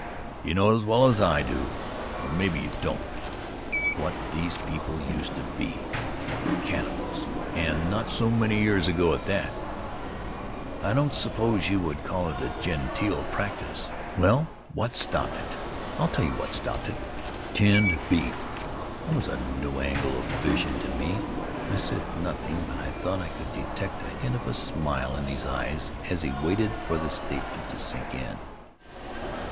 'You know as well as I do — or maybe you don't — what these people used to be: cannibals, and not so many years ago at that. I The Starry Threshold don't suppose you would call it a genteel practice? Well, what stopped it? I'll tell you what stopped it — tinned beef." That was a new angle of vision to me, I said noth ing, but I thought I could detect a hint of a smile in his eyes as he waited for the statement to sink in.